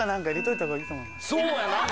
そうやな。